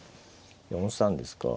４三ですか。